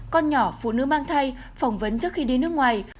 con nhỏ phụ nữ mang thai phỏng vấn trước khi đi nước ngoài